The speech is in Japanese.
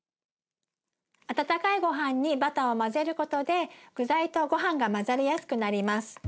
温かいごはんにバターを混ぜることで具材とごはんが混ざりやすくなります。